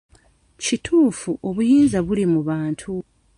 Kituufu, obuyinza buli mu bantu.